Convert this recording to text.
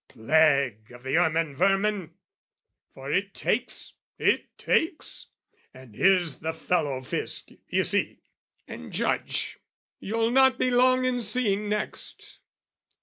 Plague of the ermine vermin! For it takes, It takes, and here's the fellow Fisc, you see, And Judge, you'll not be long in seeing next!